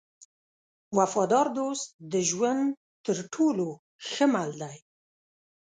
وفادار دوست د ژوند تر ټولو ښه مل دی.